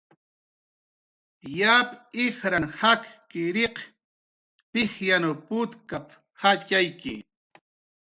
"Yap ijran jakkiriq pijyanw putkap"" jatxayki"